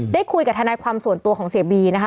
ได้คุยกับทนายความส่วนตัวของเสียบีนะคะ